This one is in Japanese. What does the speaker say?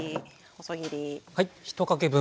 細切り。